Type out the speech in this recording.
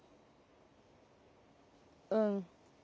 うん。